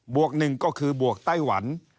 วก๑ก็คือบวกไต้หวัน